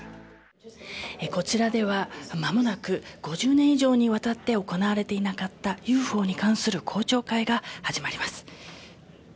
こちらではまもなく５０年以上にわたって行われていなかったＵＦＯに関する公聴会が始まります。